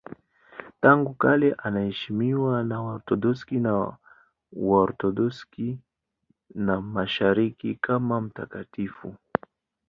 Tangu kale anaheshimiwa na Waorthodoksi na Waorthodoksi wa Mashariki kama mtakatifu.